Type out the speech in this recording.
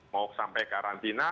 mau sampai karantina